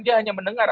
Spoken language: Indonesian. dia hanya mendengar